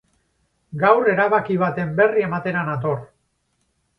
Gaur erabaki baten berri ematera nator.